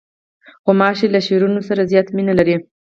غوماشې له شیرینیو سره زیاتې مینې لري.